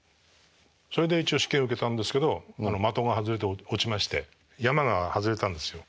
それで一応試験受けたんですけど的が外れて落ちまして山が外れたんですよ。